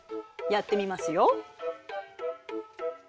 やってみますよ。